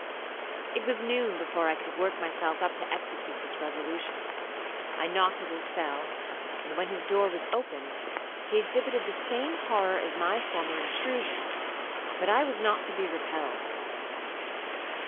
'It was noon before I could work myself up to execute this resolution. I knocked at his cell, and when the door was opened, he exhibited the same horror as at my former intrusion, but I was not to be repelled.